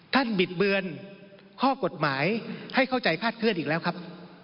บิดเบือนข้อกฎหมายให้เข้าใจพาดเคลื่อนอีกแล้วครับ